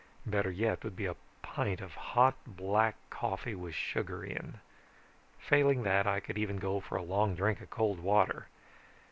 Better yet would be a pint of hot black coffee with sugar in. Failing that, I could even go for a long drink of cold water.